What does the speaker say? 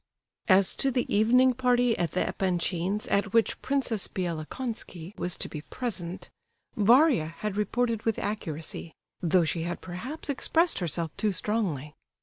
As to the evening party at the Epanchins' at which Princess Bielokonski was to be present, Varia had reported with accuracy; though she had perhaps expressed herself too strongly.